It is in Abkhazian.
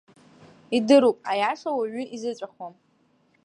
Идыруп, аиаша уаҩы изыҵәахуам!